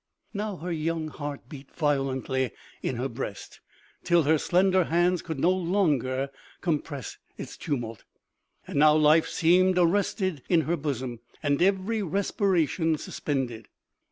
Now her young heart beat violently in her breast, till her slender hands could no longer com press its tumult; and now life seemed arrested in her bosom, and every respiration suspended.